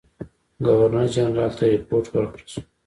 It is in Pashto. ګورنر جنرال ته رپوټ ورکړه شو.